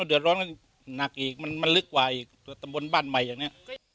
เดือดร้อนกันหนักอีกมันลึกกว่าอีกตำบลบ้านใหม่อย่างนี้